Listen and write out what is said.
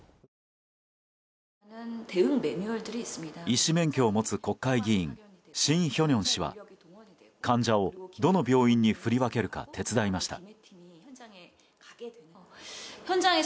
医師免許を持つ国会議員シン・ヒョニョン氏は患者をどの病院に振り分けるか手伝いました。